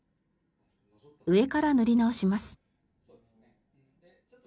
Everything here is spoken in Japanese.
上から塗り直します。